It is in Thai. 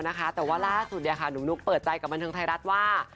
แต่ว่าล่าสุดหนุ่มนุ๊กเปิดใจกับบันเทิงไทยรัฐว่า